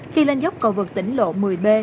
khi lên dốc cầu vượt tỉnh lộ một mươi b